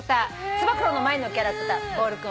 つば九郎の前のキャラクターボール君。